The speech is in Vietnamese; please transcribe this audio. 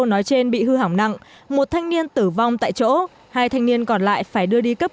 nói trên bị hư hỏng nặng một thanh niên tử vong tại chỗ hai thanh niên còn lại phải đưa đi cấp